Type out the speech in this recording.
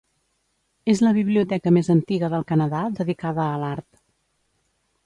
És la biblioteca més antiga del Canadà dedicada a l'art.